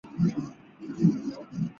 麻洞门遗址的历史年代为卡约文化。